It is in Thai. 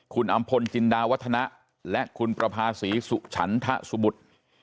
คุณอำพลจินดาวัฒนะและคุณประภาษีสุฉันทะสบุตร